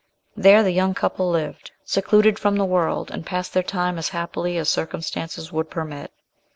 There the young couple lived secluded from the world, and passed their time as happily as circumstances would permit.